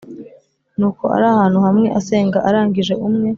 Nuko ari ahantu hamwe asenga arangije umwe